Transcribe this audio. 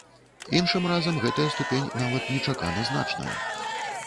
Іншым разам гэтая ступень нават нечакана значная.